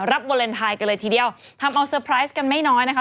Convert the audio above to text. วาเลนไทยกันเลยทีเดียวทำเอาเซอร์ไพรส์กันไม่น้อยนะคะ